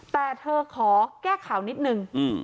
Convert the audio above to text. แต่เธอขอแก้ข่าวนิดนึง